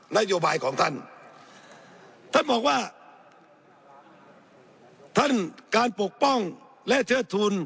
นโยบายของท่านท่านบอกว่าท่านการปกป้องและเชิดทุน